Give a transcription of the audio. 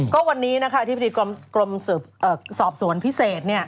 ก็วันนี้นะคะอธิบดีกรมสอบสวนพิเศษ